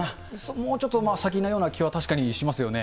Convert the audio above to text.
もうちょっと先のような気は確かにしますよね。